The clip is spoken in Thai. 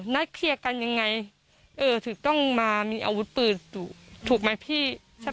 นัดเคลียร์กันยังไงเออถึงต้องมามีอาวุธปืนถูกไหมพี่